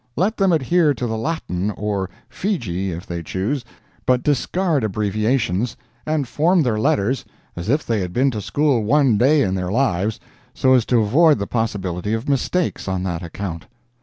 Let them adhere to the Latin, or Fejee, if they choose, but discard abbreviations, and form their letters as if they had been to school one day in their lives, so as to avoid the possibility of mistakes on that account.